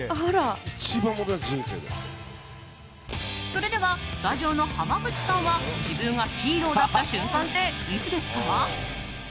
それではスタジオの濱口さんは自分がヒーローだった瞬間っていつですか？